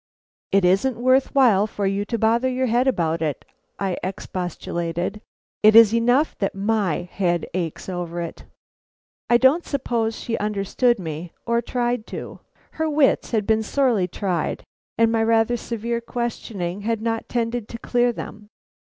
"It isn't worth while for you to bother your head about it," I expostulated. "It is enough that my head aches over it." I don't suppose she understood me or tried to. Her wits had been sorely tried and my rather severe questioning had not tended to clear them.